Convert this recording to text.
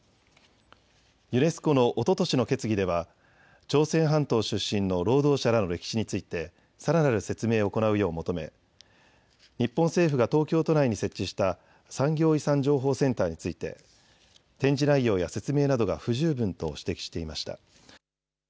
ユネスコのおととしの決議では朝鮮半島出身の労働者らの歴史についてさらなる説明を行うよう求め日本政府が東京都内に設置した産業遺産情報センターについて展示内容や説明などが不十分と指摘していました。